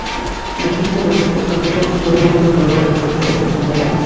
এতে ক্ষিপ্ত হয়ে প্রতিপক্ষের লোকজন জহির মণ্ডলের পরিবারের সদস্যদের ওপর হামলা চালান।